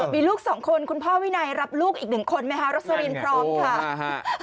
มีลูก๒คนคุณพ่อวินัยรับลูกอีก๑คนไหมฮะรักษาเรียนพร้อมค่ะ